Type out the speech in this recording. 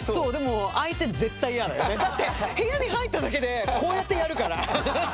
部屋に入っただけでこうやってやるから。